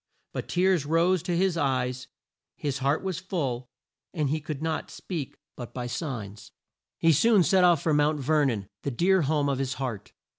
But tears rose to his eyes, his heart was full, and he could not speak but by signs. He soon set off for Mount Ver non, the dear home of his heart.